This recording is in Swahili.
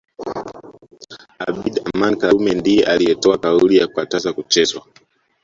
Abeid Amani Karume ndiye aliyetoa kauli kukataza kuchezwa